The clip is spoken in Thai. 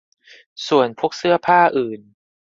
ส่วนพวกเสื้อผ้าอื่น